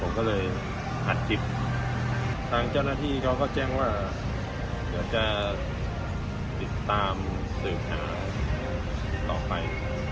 ผมก็เลยอัดคลิปทางเจ้าหน้าที่เขาก็แจ้งว่าเดี๋ยวจะติดตามสืบหาต่อไป